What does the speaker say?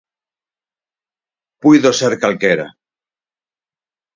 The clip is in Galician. Puido ser calquera.